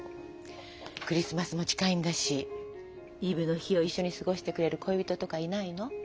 クリスマスも近いんだしイブの日を一緒に過ごしてくれる恋人とかいないの？